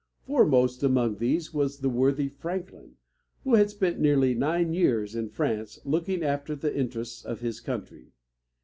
Foremost among these was the worthy Franklin, who had spent nearly nine years in France, looking after the interests of his country.